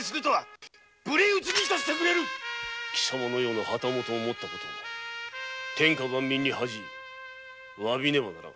無礼討ちに致してくれる貴様のような旗本をもったことを天下万民に恥じ詫びねばならぬ。